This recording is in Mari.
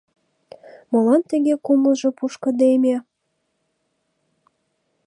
Молан тыге кумылжо пушкыдеме?